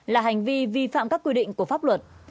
là hành vi vi phạm các quy định của pháp luật